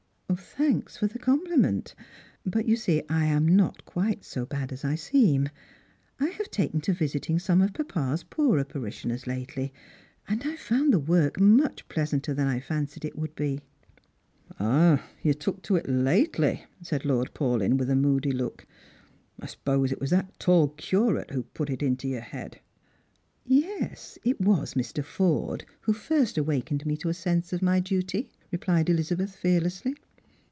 "_" Thanks for the compliment. But, you see, I am not quite 80 bad as I se«m. I have taken to visiting some of papa's poorer parishioners lately, and I have found the work much pleasanter than I fancied it would be." " Oh, you have taken to it lately," said Lord Paulyn, with a moody look. " I suppose it was that tall Curate who put it into your head ?"" Yes ; it was Mr. Forde who first awakened me to a sense of my duty," replied Elizabeth fearlessly.